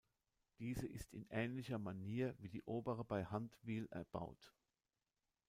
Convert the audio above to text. Diese ist in ähnlicher Manier wie die obere bei Hundwil erbaut.